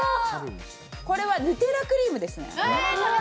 これはヌテラクリームですね